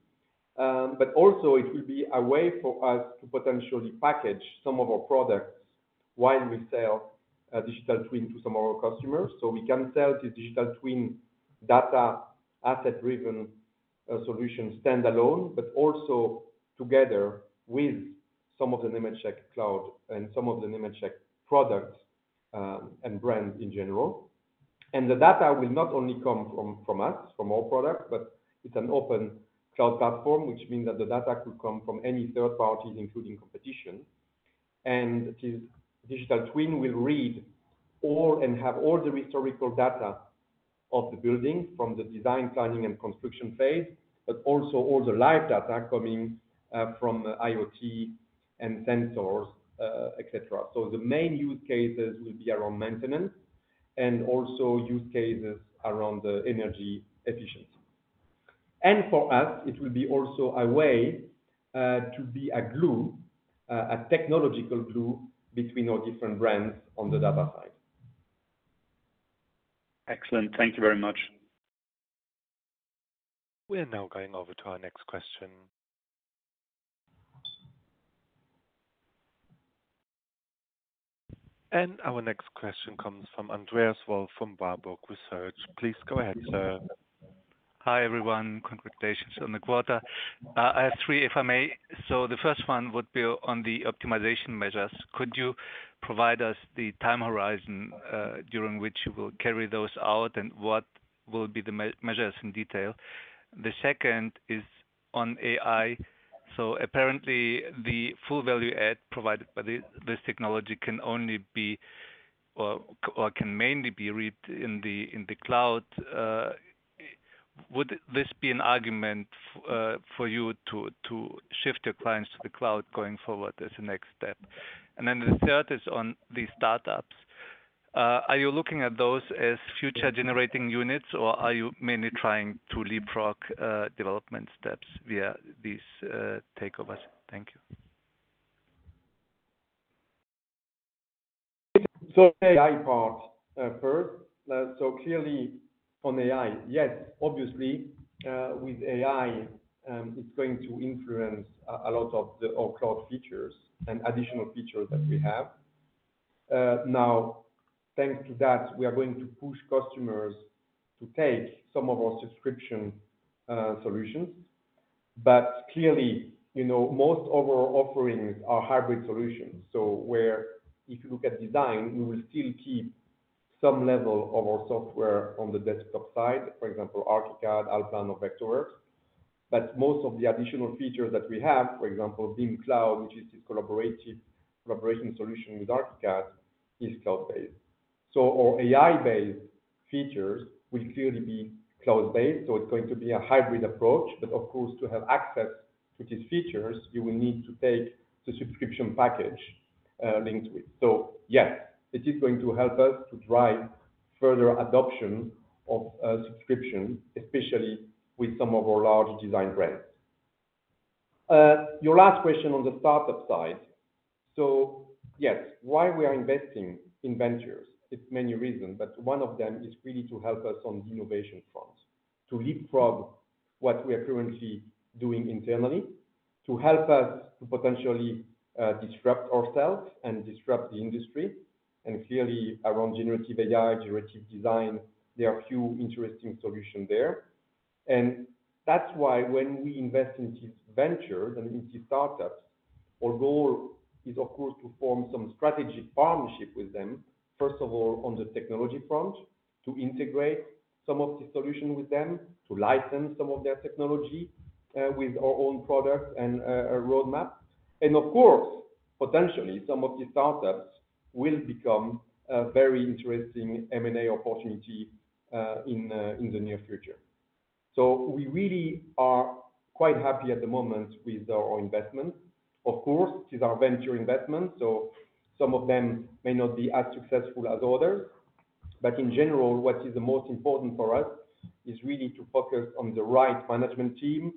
Also it will be a way for us to potentially package some of our products while we sell digital twin to some of our customers. We can sell the digital twin data asset-driven solution standalone, but also together with some of the Nemetschek Cloud and some of the Nemetschek products and brands in general. The data will not only come from, from us, from our product, but it's an open cloud platform, which means that the data could come from any third parties, including competition. This digital twin will read all and have all the historical data of the building from the design, planning and construction phase, but also all the live data coming from the IoT and sensors, et cetera. The main use cases will be around maintenance and also use cases around the energy efficiency. For us, it will be also a way to be a glue, a technological glue between our different brands on the data side. Excellent. Thank you very much. We are now going over to our next question. Our next question comes from Andreas Wolf of Warburg Research. Please go ahead, sir. Hi, everyone. Congratulations on the quarter. I have three, if I may. The first one would be on the optimization measures. Could you provide us the time horizon, during which you will carry those out, and what will be the measures in detail? The second is on AI. Apparently the full value add provided by this, this technology can only be or can mainly be read in the cloud. Would this be an argument for you to shift your clients to the cloud going forward as the next step? The third is on the startups. Are you looking at those as future generating units, or are you mainly trying to leapfrog development steps via these takeovers? Thank you. AI part, first. Clearly on AI, yes, obviously, with AI, it's going to influence a lot of our cloud features and additional features that we have. Now, thanks to that, we are going to push customers to take some of our subscription solutions. Clearly, you know, most of our offerings are hybrid solutions. Where if you look at design, we will still keep some level of our software on the desktop side, for example, Archicad, Allplan, or Vectorworks. Most of the additional features that we have, for example, BIMcloud, which is this collaborative collaboration solution with Archicad, is cloud-based. Our AI-based features will clearly be cloud-based, so it's going to be a hybrid approach, but of course, to have access to these features, you will need to take the subscription package linked with. Yes, it is going to help us to drive further adoption of subscription, especially with some of our large design brands. Your last question on the startup side. Yes, why we are investing in ventures? It's many reasons, but one of them is really to help us on the innovation front, to leapfrog what we are currently doing internally, to help us to potentially disrupt ourselves and disrupt the industry. Clearly, around generative AI, generative design, there are a few interesting solutions there. That's why when we invest in these ventures and in these startups, our goal is, of course, to form some strategic partnership with them. First of all, on the technology front, to integrate some of the solutions with them, to license some of their technology with our own products and a roadmap. Of course, potentially, some of the startups will become a very interesting M&A opportunity in the near future. We really are quite happy at the moment with our investment. Of course, it is our venture investment, so some of them may not be as successful as others. In general, what is the most important for us is really to focus on the right management team,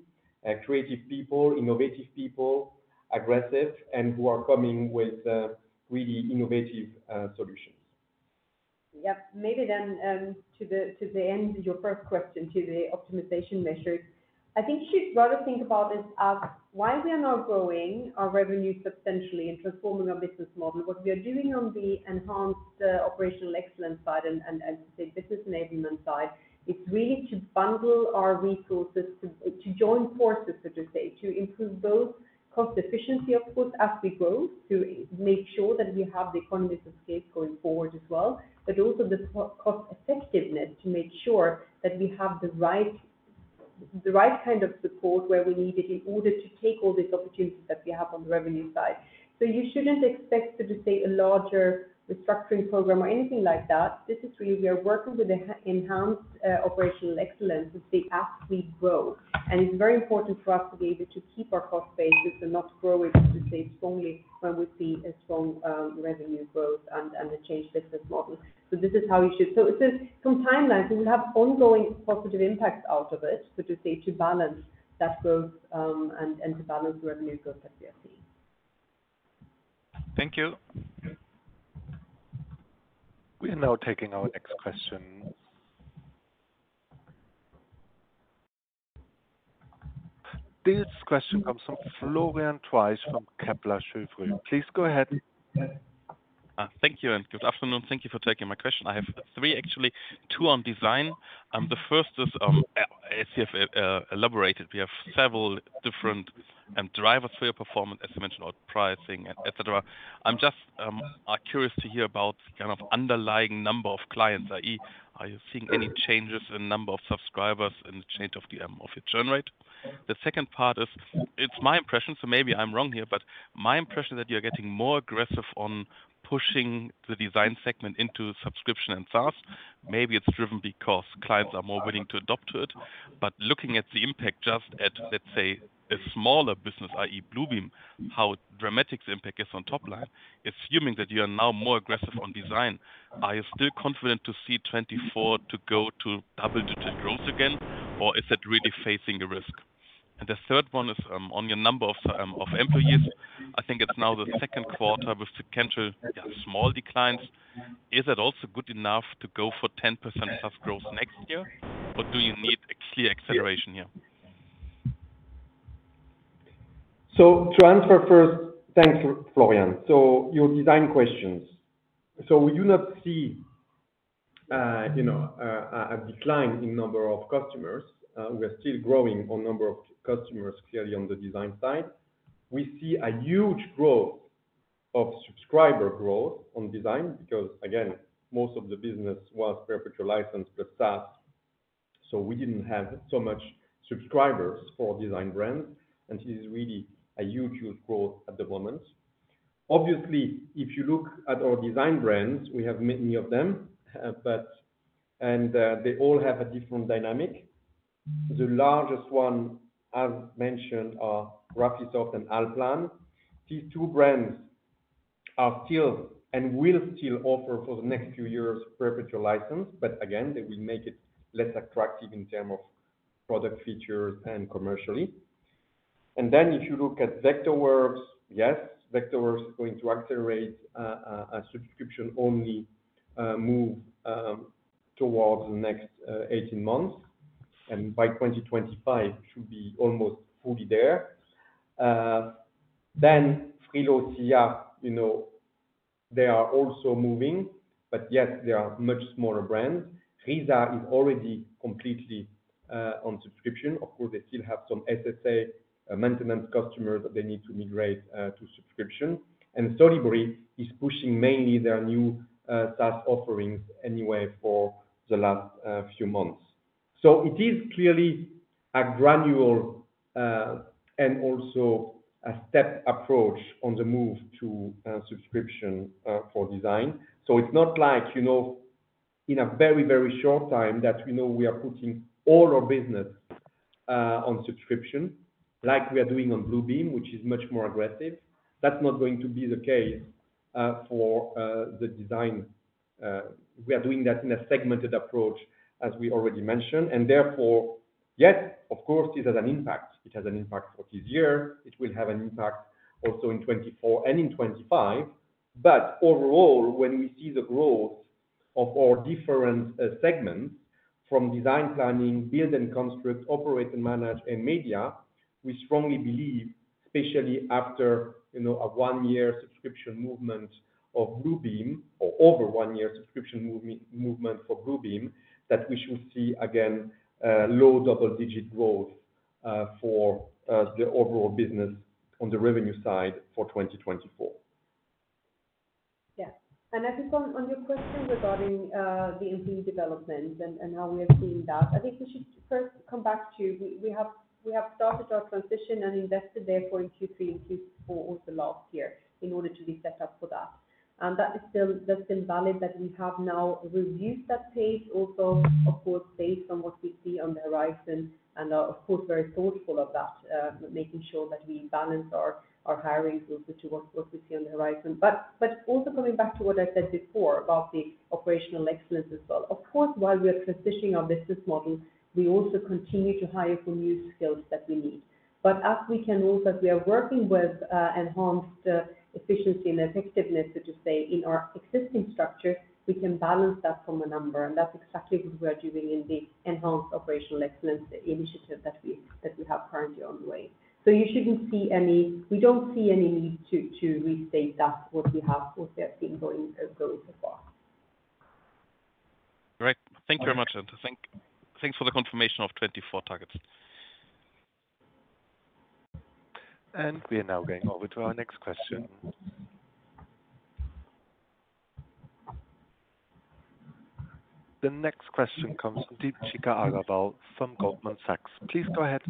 creative people, innovative people, aggressive, and who are coming with really innovative solutions. Yep. Maybe then, to the, to the end of your first question, to the optimization measures. I think you should rather think about this as while we are now growing our revenue substantially and transforming our business model, what we are doing on the enhanced operational excellence side and, and the business enablement side, it's really to bundle our resources, to, to join forces, so to say, to improve both cost efficiency, of course, as we grow, to make sure that we have the economies of scale going forward as well, but also the co-cost effectiveness to make sure that we have the right, the right kind of support where we need it in order to take all these opportunities that we have on the revenue side. You shouldn't expect, so to say, a larger restructuring program or anything like that. This is really we are working with the e-enhanced operational excellence to see as we grow. It's very important for us to be able to keep our cost base and not grow it, to say, strongly, when we see a strong revenue growth and a changed business model. It is some timelines, we will have ongoing positive impacts out of it, so to say, to balance that growth and to balance the revenue growth that we are seeing. Thank you. We are now taking our next question. This question comes from Florian Treisch from Kepler Cheuvreux. Please go ahead. Thank you, and good afternoon. Thank you for taking my question. I have three, actually, two on design. The first is, as you have elaborated, we have several different drivers for your performance, as you mentioned, on pricing, et cetera. I'm just curious to hear about kind of underlying number of clients, i.e., are you seeing any changes in number of subscribers and change of the of your churn rate? The second part is, it's my impression, so maybe I'm wrong here, but my impression is that you're getting more aggressive on pushing the design segment into subscription and SaaS. Maybe it's driven because clients are more willing to adopt to it. Looking at the impact just at, let's say, a smaller business, i.e., Bluebeam, how dramatic the impact is on top line, assuming that you are now more aggressive on design, are you still confident to see 24 to go to double-digit growth again, or is that really facing a risk? The third one is on your number of employees. I think it's now the second quarter with sequential, yeah, small declines. Is it also good enough to go for 10% SaaS growth next year, or do you need a clear acceleration here? To answer first, thanks, Florian. Your design questions. We do not see, you know, a decline in number of customers. We are still growing on number of customers clearly on the design side. We see a huge growth of subscriber growth on design because, again, most of the business was perpetual license, but SaaS, so we didn't have so much subscribers for design brands, and this is really a huge, huge growth at the moment. Obviously, if you look at our design brands, we have many of them, but they all have a different dynamic. The largest one, as mentioned, are Graphisoft and Allplan. These two brands are still and will still offer for the next few years, perpetual license, but again, they will make it less attractive in terms of product features and commercially. Then if you look at Vectorworks, yes, Vectorworks is going to accelerate a subscription-only move towards the next 18 months, and by 2025, should be almost fully there. Then Frilo, SCIA, you know, they are also moving, but yet they are much smaller brands. RISA is already completely on subscription. Of course, they still have some SSA maintenance customers that they need to migrate to subscription. Solibri is pushing mainly their new SaaS offerings anyway for the last few months. It is clearly a gradual and also a step approach on the move to subscription for design. It's not like, you know, in a very, very short time that, you know, we are putting all our business on subscription, like we are doing on Bluebeam, which is much more aggressive. That's not going to be the case for the design. We are doing that in a segmented approach, as we already mentioned, and therefore, yes, of course, it has an impact. It has an impact for this year. It will have an impact also in 2024 and in 2025. Overall, when we see the growth of our different segments from design planning, build and construct, operate and manage, and media, we strongly believe, especially after, you know, a one-year subscription movement of Bluebeam or over one year subscription movement for Bluebeam, that we should see, again, low double-digit growth for the overall business on the revenue side for 2024. Yeah. I think on, on your question regarding the MP development and, and how we are seeing that, I think we should first come back to you. We have, we have started our transition and invested therefore, in Q3 and Q4 over the last year in order to be set up for that. That is still, that's still valid, that we have now reduced that pace also, of course, based on what we see on the horizon, and are, of course, very thoughtful of that, making sure that we balance our, our hiring with what we see on the horizon. Also coming back to what I said before about the operational excellence as well. Of course, while we are transitioning our business model, we also continue to hire for new skills that we need. As we can rule, that we are working with enhanced efficiency and effectiveness, so to say, in our existing structure, we can balance that from a number, and that's exactly what we are doing in the enhanced operational excellence initiative that we have currently on the way. We don't see any need to, to restate that what we have what we have been going so far. Great. Thank you very much, and thank, thanks for the confirmation of 24 targets. We are now going over to our next question. The next question comes from Deepshikha Agarwal from Goldman Sachs. Please go ahead.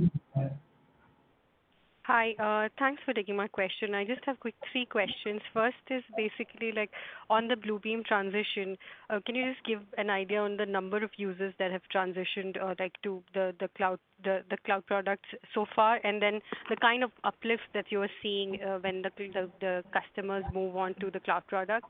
Hi, thanks for taking my question. I just have quick three questions. First is basically, like on the Bluebeam transition, can you just give an idea on the number of users that have transitioned, like to the, the cloud, the, the cloud products so far, and then the kind of uplift that you are seeing, when the, the, the customers move on to the cloud product?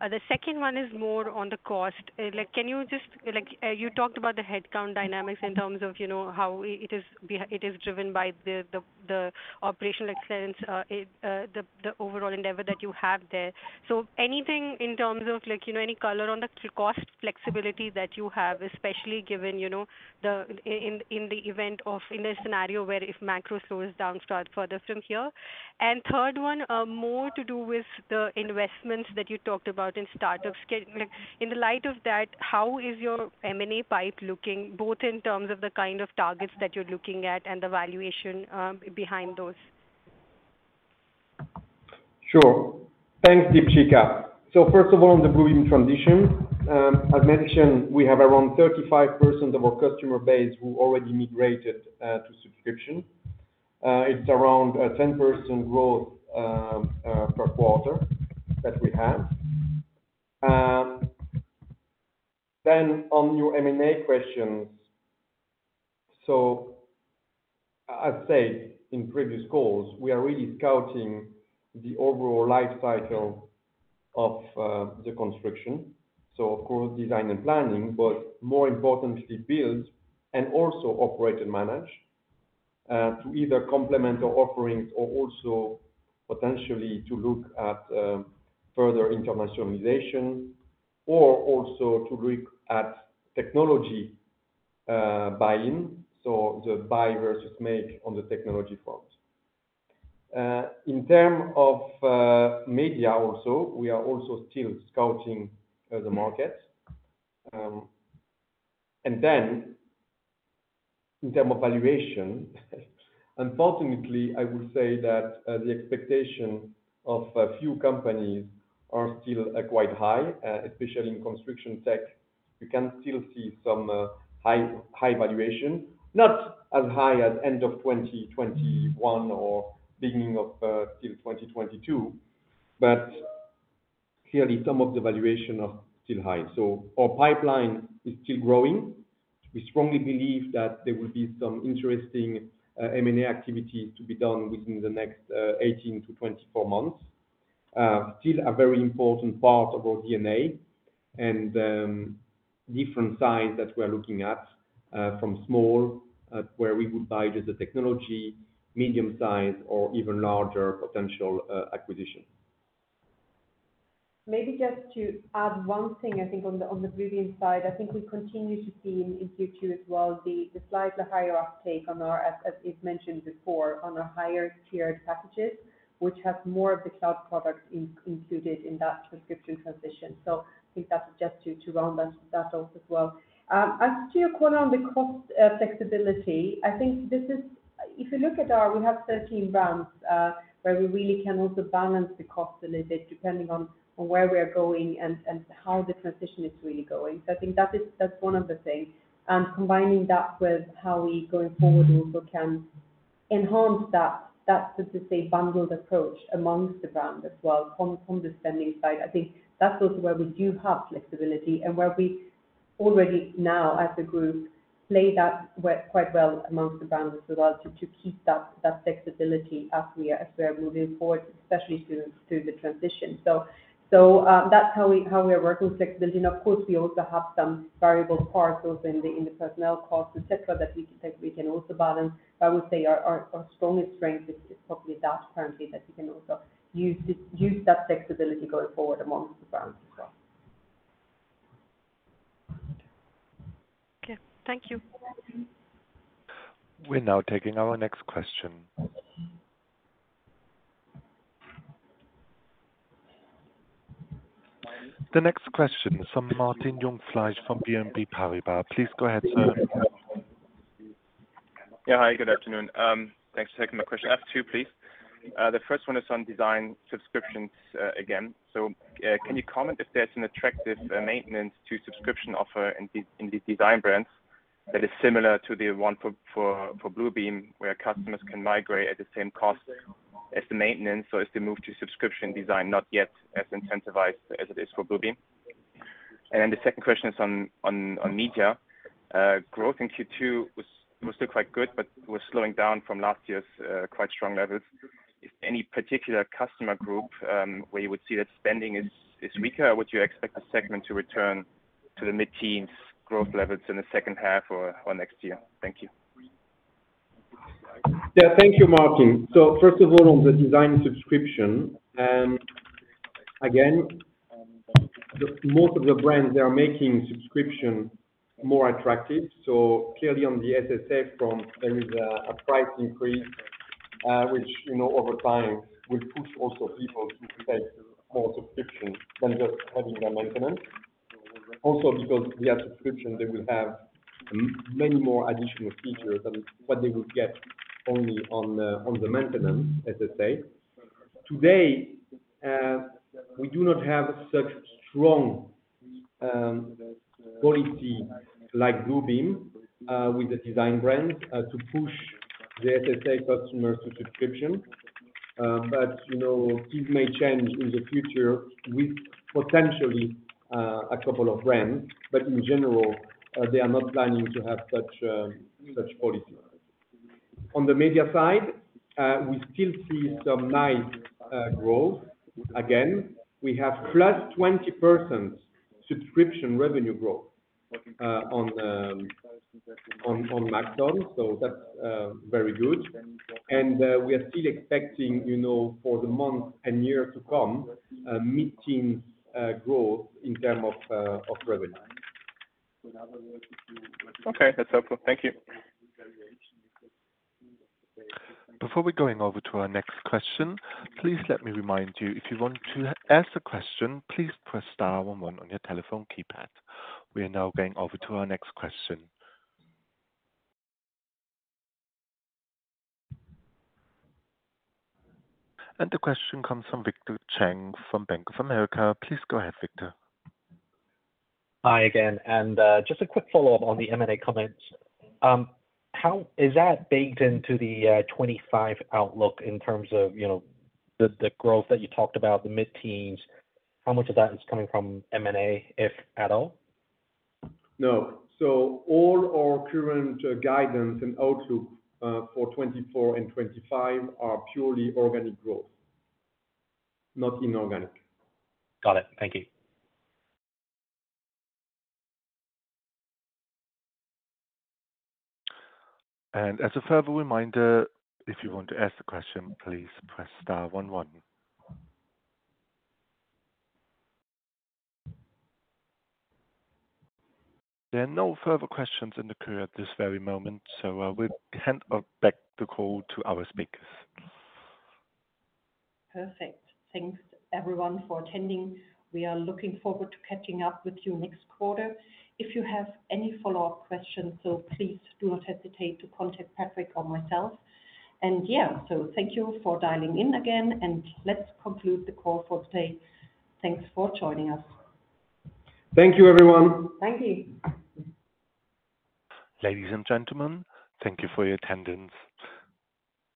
The second one is more on the cost. Like, you talked about the headcount dynamics in terms of, you know, how it is it is driven by the, the, the operational excellence, it, the, the overall endeavor that you have there. Anything in terms of like, you know, any color on the cost flexibility that you have, especially given, you know, the, in, in the event of, in a scenario where if macro slows down start further from here. Third one, more to do with the investments that you talked about in startup scale. In the light of that, how is your M&A pipe looking, both in terms of the kind of targets that you're looking at and the valuation, behind those? Sure. Thanks, Deepshikha. First of all, on the Bluebeam transition, as mentioned, we have around 35% of our customer base who already migrated to subscription. It's around a 10% growth per quarter that we have. On your M&A questions. As said in previous calls, we are really scouting the overall life cycle of the construction. Of course, design and planning, but more importantly, build and also operate and manage to either complement our offerings or also potentially to look at further internationalization or also to look at technology buy-in, so the buy versus make on the technology front. In term of media also, we are also still scouting the market. Then in term of valuation, unfortunately, I would say that the expectation of a few companies are still quite high, especially in construction tech, you can still see some high, high valuation, not as high as end of 2021 or beginning of still 2022, but clearly some of the valuation are still high. Our pipeline is still growing. We strongly believe that there will be some interesting M&A activity to be done within the next 18-24 months. Still a very important part of our DNA and different signs that we are looking at, from small, where we would buy just the technology, medium size, or even larger potential acquisition. Maybe just to add one thing, I think on the, on the Bluebeam side, I think we continue to see in Q2 as well, the, the slightly higher uptake on our, as, as you've mentioned before, on our higher tiered packages, which have more of the cloud products included in that prescription transition. I think that's just to, to round that, that off as well. As to your quote on the cost flexibility, I think if you look at our, we have 13 brands, where we really can also balance the cost a little bit, depending on, on where we are going and, and how the transition is really going. I think that is, that's one of the things. Combining that with how we going forward also can enhance that, so to say, bundled approach amongst the brand as well, from the spending side. I think that's also where we do have flexibility and where we already now, as a group, play that quite well amongst the brands as well, to keep that flexibility as we are moving forward, especially through the transition. That's how we are working flexibility. Of course, we also have some variable parts also in the personnel costs, et cetera, that we can also balance. I would say our strongest strength is probably that currently, that we can also use that flexibility going forward amongst the brands as well. Okay. Thank you. We're now taking our next question. The next question is from Martin Jungfleisch from BNP Paribas. Please go ahead, sir. Yeah. Hi, good afternoon. Thanks for taking my question. I have two, please. The first one is on design subscriptions again. Can you comment if there's an attractive maintenance to subscription offer in the design brands that is similar to the one for Bluebeam, where customers can migrate at the same cost as the maintenance? As they move to subscription design, not yet as incentivized as it is for Bluebeam. The second question is on media. Growth in Q2 was still quite good, but was slowing down from last year's quite strong levels. Is any particular customer group where you would see that spending is weaker? Would you expect the segment to return to the mid-teens growth levels in the second half or next year? Thank you. Yeah. Thank you, Martin. First of all, on the design subscription, again, the most of the brands are making subscription more attractive. Clearly on the SSA front, there is a price increase, which, you know, over time will push also people to take more subscription than just having their maintenance. Also, because they are subscription, they will have many more additional features than what they would get only on the maintenance, as I say. Today, we do not have such strong policy like Bluebeam, with the design brand, to push the SSA customer to subscription. You know, it may change in the future with potentially a couple of brands, but in general, they are not planning to have such policy. On the media side, we still see some nice growth. Again, we have plus 20% subscription revenue growth, on the, on, on Maxon, so that's very good. We are still expecting, you know, for the month and year to come, a mid-teen growth in terms of revenue. Okay, that's helpful. Thank you. Before we going over to our next question, please let me remind you, if you want to ask a question, please press star one on your telephone keypad. We are now going over to our next question. The question comes from Victor Cheng, from Bank of America. Please go ahead, Victor. Hi again, just a quick follow-up on the M&A comments. How is that baked into the 25 outlook in terms of, you know, the, the growth that you talked about, the mid-teens? How much of that is coming from M&A, if at all? No. All our current guidance and outlook for 2024 and 2025 are purely organic growth, not inorganic. Got it. Thank you. As a further reminder, if you want to ask a question, please press star 11. There are no further questions in the queue at this very moment, so we'll hand out back the call to our speakers. Perfect. Thanks everyone for attending. We are looking forward to catching up with you next quarter. If you have any follow-up questions, please do not hesitate to contact Patrick or myself. Yeah, thank you for dialing in again, and let's conclude the call for today. Thanks for joining us. Thank you, everyone. Thank you. Ladies and gentlemen, thank you for your attendance.